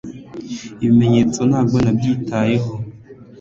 ibimenyetso Ntabwo nabyitayeho